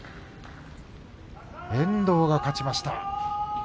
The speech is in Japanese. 遠藤が勝ちました。